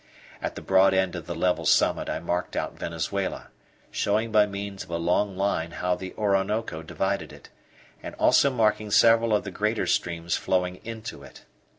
At the broad end of the level summit I marked out Venezuela, showing by means of a long line how the Orinoco divided it, and also marking several of the greater streams flowing into it.